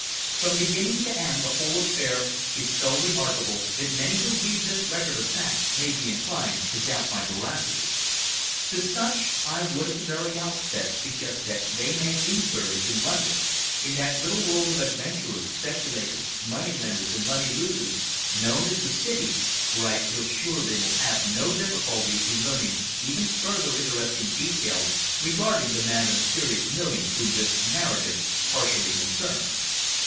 From beginning to end the whole affair is so remarkable that many who read this record of facts may be inclined to doubt my veracity. To such, I would at the very outset suggest that they make inquiries in London, in that little world of adventurers, speculators, money lenders and money losers known as "the City," where I feel sure they will have no difficulty in learning even further interesting details regarding the man of mysterious millions whom this narrative partially concerns.